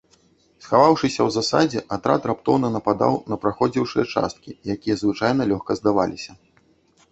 Схаваўшыся ў засадзе, атрад раптоўна нападаў на праходзіўшыя часткі, якія звычайна лёгка здаваліся.